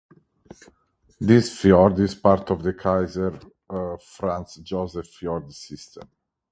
This fjord is part of the Kaiser Franz Joseph Fjord system.